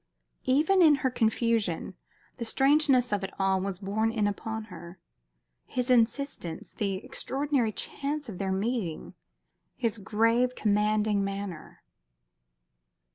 Even in her confusion, the strangeness of it all was borne in upon her his insistence, the extraordinary chance of their meeting, his grave, commanding manner.